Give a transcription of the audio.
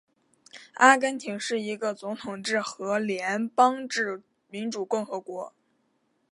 阿根廷是一个总统制和联邦制民主共和国。